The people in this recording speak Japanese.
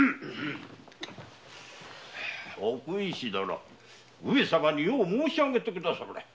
奥医師殿上様によく申し上げてくだされ。